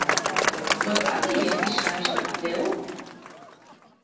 Wat barde hjir dy sneins yn april?